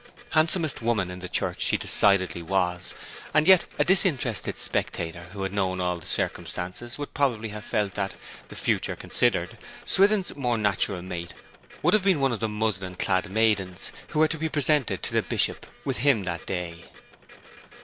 Handsomest woman in the church she decidedly was; and yet a disinterested spectator who had known all the circumstances would probably have felt that, the future considered, Swithin's more natural mate would have been one of the muslin clad maidens who were to be presented to the Bishop with him that day.